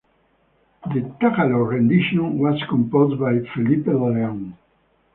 The Tagalog rendition was composed by Felipe De Leon.